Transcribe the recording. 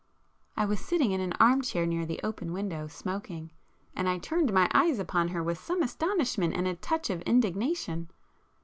I was sitting in an arm chair near the open window, smoking, and I turned my eyes upon her with some astonishment and a touch of indignation.